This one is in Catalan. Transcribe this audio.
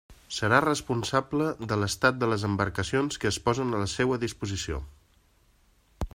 Serà responsable de l'estat les embarcacions que es posen a la seua disposició.